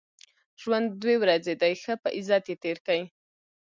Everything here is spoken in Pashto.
ژوند دوې ورځي دئ؛ ښه په عزت ئې تېر کئ!